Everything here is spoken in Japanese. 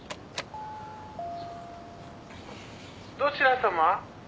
「どちら様？」